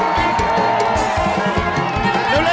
ไปโหล